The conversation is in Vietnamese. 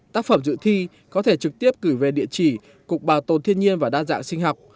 tác phẩm dự thi có thể trực tiếp cử về địa chỉ cục bảo tồn thiên nhiên và đa dạng sinh học